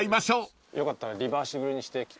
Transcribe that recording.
よかったらリバーシブルにして。